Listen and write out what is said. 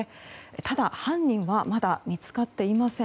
ただ、犯人はまだ見つかっていません。